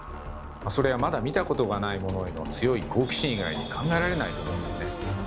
それはまだ見たことがないものへの強い好奇心以外に考えられないと思うんですね。